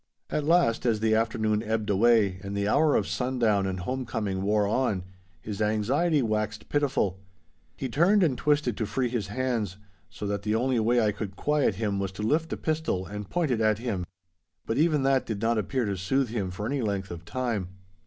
At last, as the afternoon ebbed away, and the hour of sundown and homecoming wore on, his anxiety waxed pitiful. He turned and twisted to free his hands, so that the only way I could quiet him was to lift a pistol and point it at him. But even that did not appear to soothe him for any length of time.